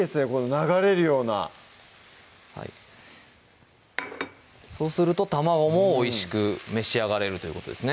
流れるようなはいそうすると卵もおいしく召し上がれるということですね